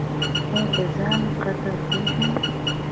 ایا د ځان قدر پیژنئ؟